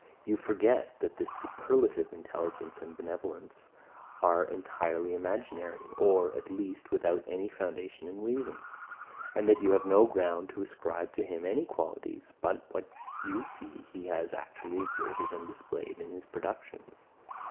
You forget, that this superlative intelligence and benevolence are entirely imaginary, or, at least, without any foundation in reason; and that you have no ground to ascribe to him any qualities, but what you see he has actually exerted and displayed in his productions.